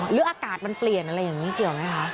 หรืออากาศมันเปลี่ยนอะไรอย่างนี้เกี่ยวไหมคะ